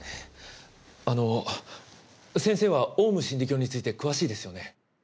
あの先生はオウム真理教について詳しいですよね？